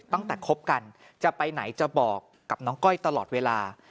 คบกันจะไปไหนจะบอกกับน้องก้อยตลอดเวลา